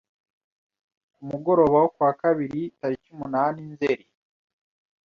Ku mugoroba wo ku wa Kabiri tariki umunani Nzeri